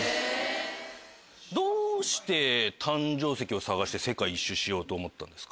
どうして誕生石を探して世界一周しようと思ったんです？